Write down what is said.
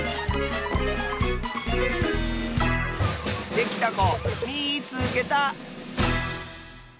できたこみいつけた！